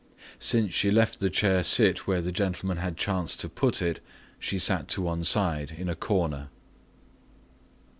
Since she left the chair sit where the gentleman had chanced to put it, she sat to one side in a corner.